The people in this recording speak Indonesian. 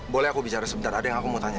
boleh aku bicara sebentar ada yang aku mau tanya